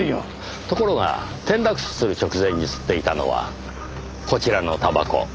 ところが転落死する直前に吸っていたのはこちらのたばこ。